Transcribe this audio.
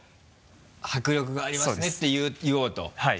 「迫力がありますね」って言おうとそうですはい。